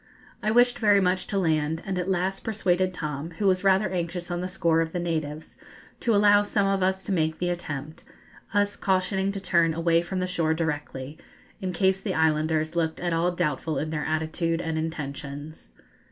I wished very much to land, and at last persuaded Tom, who was rather anxious on the score of the natives, to allow some of us to make the attempt, us cautioning to turn away from the shore directly, in case the islanders looked at all doubtful in their attitude and intentions.